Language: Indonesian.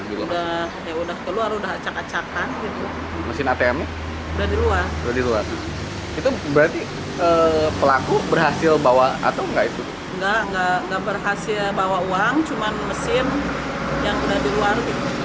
enggak enggak berhasil bawa uang cuma mesin yang ada di luar